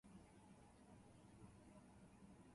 スウェーデンの首都はストックホルムである